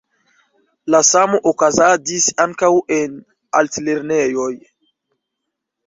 La samo okazadis ankaŭ en altlernejoj.